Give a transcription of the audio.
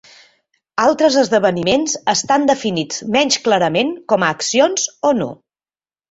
Altres esdeveniments estan definits menys clarament com a accions o no.